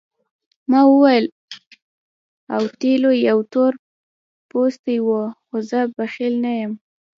ما وویل اوتیلو یو تور پوستی وو خو زه بخیل نه یم.